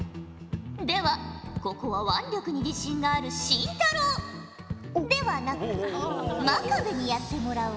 ではここは腕力に自信がある紳太郎ではなく真壁にやってもらおう。